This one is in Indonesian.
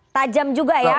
tajam juga ya